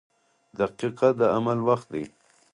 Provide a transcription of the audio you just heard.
• دقیقه د عمل وخت دی.